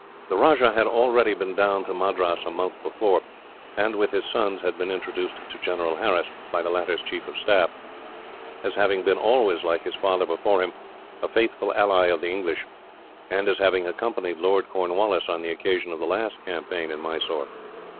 The Rajah had already been down to Madras a month before, and with his sons had been introduced to General Harris, by the latter's chief of the staff, as having been always, like his father before him, a faithful ally of the English, and as having accompanied Lord Cornwallis on the occasion of the last campaign in Mysore.